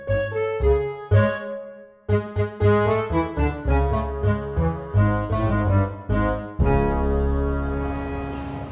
jangan lupa beli karyawan di tempat usaha